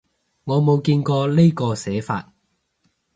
我冇見過呢個寫法